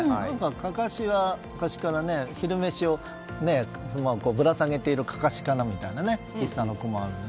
かかしは昔から「昼飯をぶら下げているかかしかな」みたいな一茶の句もあるので。